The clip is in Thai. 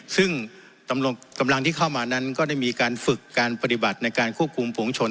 ซึ่งกำลังที่เข้ามานั้นก็ได้มีการฝึกการปฏิบัติในการควบคุมฝุงชน